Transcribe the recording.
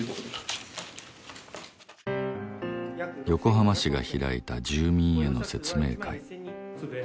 横浜市が開いた住民への説明会。